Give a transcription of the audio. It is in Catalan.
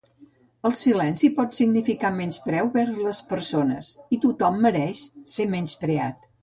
El silenci pot significar menyspreu vers les persones i tothom mereix ésser menyspreat